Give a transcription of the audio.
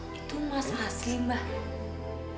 pak itu mas asli mbah